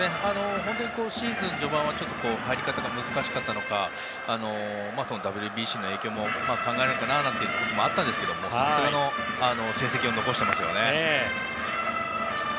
シーズン序盤は入り方が難しかったのかＷＢＣの影響も考えられるかなということもあったんですけどもさすがの成績を残してますよね。